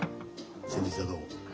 先日はどうも。